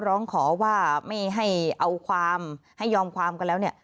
ร้องขอว่าไม่ให้เอาความให้ยอมความกันแล้วเนี่ย